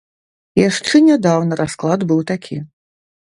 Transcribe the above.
Яшчэ нядаўна расклад быў такі.